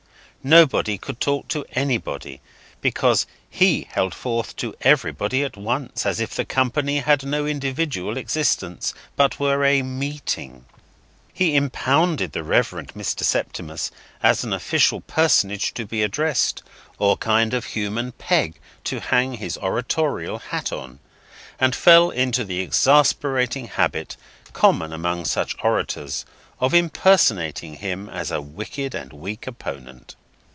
Nobody could talk to anybody, because he held forth to everybody at once, as if the company had no individual existence, but were a Meeting. He impounded the Reverend Mr. Septimus, as an official personage to be addressed, or kind of human peg to hang his oratorical hat on, and fell into the exasperating habit, common among such orators, of impersonating him as a wicked and weak opponent.